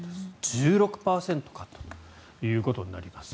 １６％カットということになります。